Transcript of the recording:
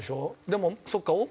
でもそっか。